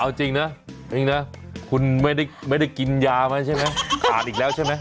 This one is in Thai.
เอาจริงนะคุณไม่ได้กินยาไหมใช่ไหมอาดอีกแล้วใช่ไหม